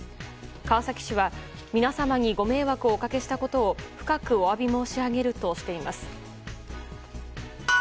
川崎市は皆様にご迷惑をおかけしたことを深くお詫び申し上げるとしています。